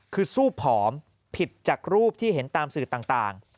คือสู้ผอมผิดจากรูปที่เห็นตามสื่อต่าง